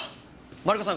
マリコさん